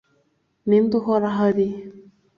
ninde uhora ahari,